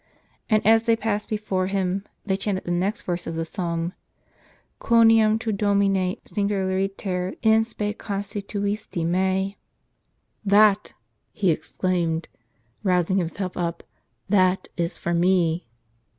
And as they passed before him, they chanted the next verse of the psalm :" Quoniam Tu Domine singulariter in spe constituisti me." t " 7%a^," he exclaimed, rousing himself up, " that is for me."